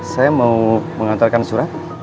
saya mau mengantarkan surat